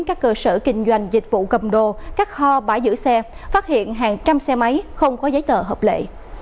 các cơ sở kinh doanh dịch vụ cầm đồ các kho bãi giữ xe phát hiện hàng trăm xe máy không có giấy tờ hợp lệ